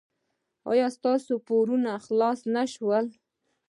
ایا ستاسو پورونه خلاص نه شول؟